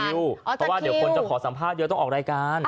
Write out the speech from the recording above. เพราะว่าเดี๋ยวคนจะขอสัมภาษณ์เยอะต้องออกรายการ